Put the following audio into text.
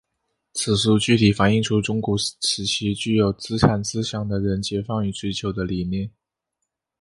此书具体反映出中古时期具有资产思想的人解放与追求的理念。